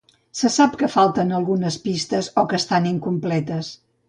Se sap que falten algunes pistes o que estan incompletes.